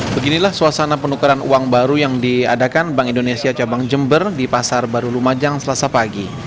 beginilah suasana penukaran uang baru yang diadakan bank indonesia cabang jember di pasar baru lumajang selasa pagi